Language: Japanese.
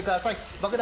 爆弾